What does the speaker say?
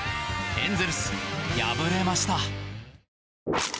エンゼルス、敗れました。